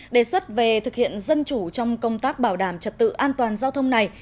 đề xuất về thực hiện dân chủ trong công tác bảo đảm trật tự an toàn giao thông này